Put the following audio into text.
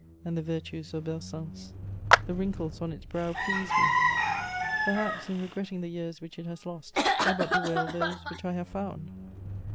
and the virtues of Belsunce: the wrinkles on its brow pleased me. Perhaps, in regretting the years which it has lost, I but bewail those which I have found.